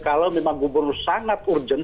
kalau memang gubernur sangat urgent